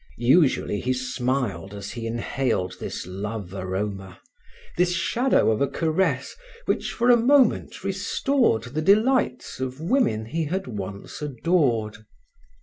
Usually he smiled as he inhaled this love aroma, this shadow of a caress which for a moment restored the delights of women he had once adored.